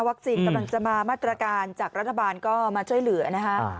กำลังจะมามาตรการจากรัฐบาลก็มาช่วยเหลือนะคะ